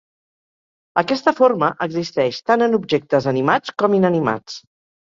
Aquesta forma existeix tan en objectes animats com inanimats.